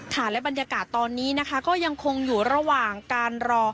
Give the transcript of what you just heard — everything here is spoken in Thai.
และบรรยากาศตอนนี้นะคะก็ยังคงอยู่ระหว่างการรอ